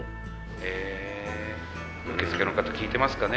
へえ受付の方聴いてますかね。